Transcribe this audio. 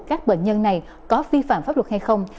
các bệnh nhân này có vi phạm pháp luật hay không